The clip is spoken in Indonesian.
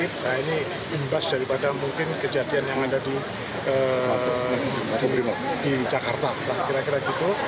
nah ini imbas daripada mungkin kejadian yang ada di jakarta lah kira kira gitu